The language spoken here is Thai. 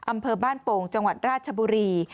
อำเภอบ้านโป่งจังหวัดราชบุรี